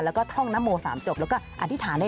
เรื่องของโชคลาบนะคะ